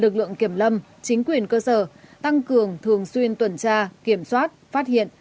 lực lượng kiểm lâm chính quyền cơ sở tăng cường thường xuyên tuần tra kiểm soát phát hiện